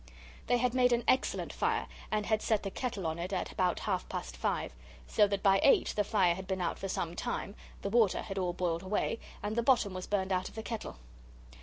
They had made an excellent fire, and had set the kettle on it at about half past five. So that by eight the fire had been out for some time, the water had all boiled away, and the bottom was burned out of the kettle.